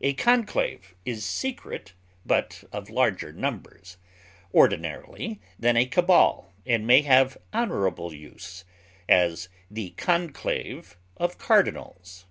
A conclave is secret, but of larger numbers, ordinarily, than a cabal, and may have honorable use; as, the conclave of cardinals.